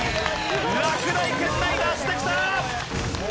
落第圏内脱してきた！